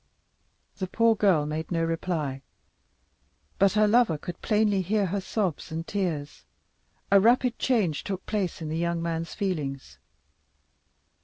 '" The poor girl made no reply, but her lover could plainly hear her sobs and tears. A rapid change took place in the young man's feelings.